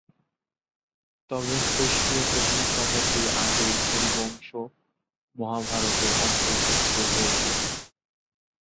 তবে খ্রিস্টীয় প্রথম শতাব্দীর আগেই হরিবংশ মহাভারতের অন্তর্ভুক্ত হয়েছিল।